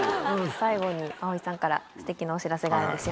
最後に葵さんからすてきなお知らせがあるんですよね。